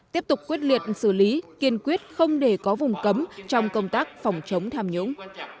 tiếp tục quyết liệt xử lý kiên quyết không để có vùng cấm trong công tác phòng chống tham nhũng